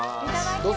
どうぞ。